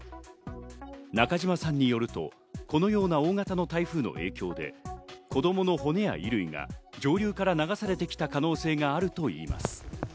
中島さんによると、このような大型の台風の影響で子供の骨や衣類が上流から流されてきた可能性があるといいます。